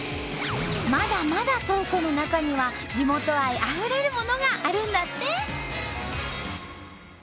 まだまだ倉庫の中には地元愛あふれるものがあるんだって！